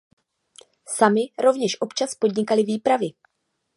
Sami rovněž občas podnikali výpravy.